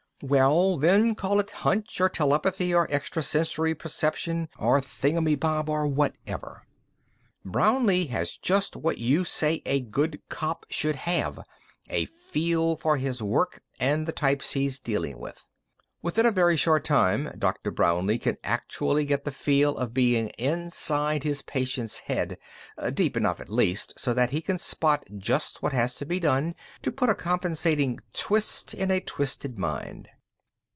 "Well, then, call it hunch or telepathy or extra sensory perception or thingummybob or whatever. Brownlee has just what you say a good cop should have a feel for his work and for the types he's dealing with. Within a very short time, Dr. Brownlee can actually get the feel of being inside his patient's mind deep enough, at least, so that he can spot just what has to be done to put a compensating twist in a twisted mind.